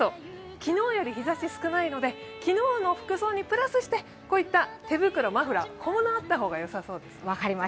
昨日より日ざし少ないので、昨日の服装にプラスしてこういった手袋、マフラーがあった方がよさそうです。